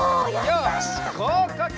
よしごうかく！